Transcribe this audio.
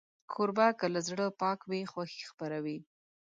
کوربه که له زړه پاک وي، خوښي خپروي.